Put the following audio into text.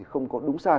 không có đúng sai